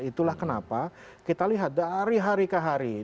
itulah kenapa kita lihat dari hari ke hari